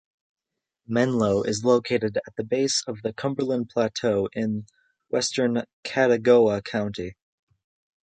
Menlo is located at the base of the Cumberland Plateau in western Chattooga County.